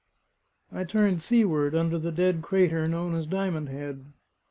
I turned seaward under the dead crater known as Diamond Head.